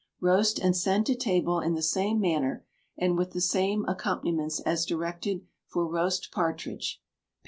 Roast and send to table in the same manner, and with the same accompaniments as directed for Roast Partridge (_par.